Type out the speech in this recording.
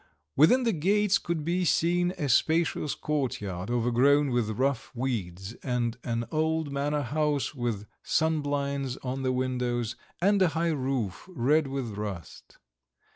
Within the gates could be seen a spacious courtyard overgrown with rough weeds, and an old manor house with sunblinds on the windows, and a high roof red with rust.